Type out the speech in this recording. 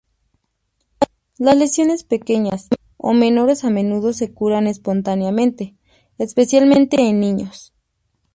Las lesiones pequeñas o menores a menudo se curan espontáneamente, especialmente en niños.